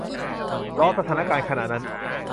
ล้อสถานการณ์ขณะนั้น